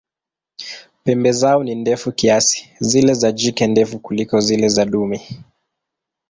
Pembe zao ni ndefu kiasi, zile za jike ndefu kuliko zile za dume.